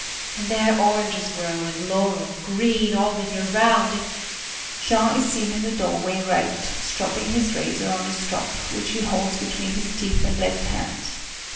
And there oranges grow and laurel green all the year round if [Jean is seen in the doorway R. stropping his razor on the strop which he holds between his teeth and left hand.